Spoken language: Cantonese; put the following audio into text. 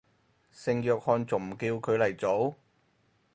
聖約翰仲唔叫佢嚟做